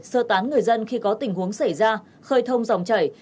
sơ tán người dân khi có tình huống xảy ra khơi thông dòng chảy